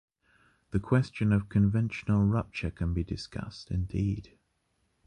The question of conventional rupture can be discussed, indeed.